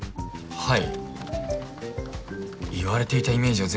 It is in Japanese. はい。